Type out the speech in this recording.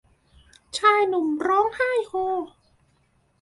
ชายหนุ่มร้อยไห้โฮ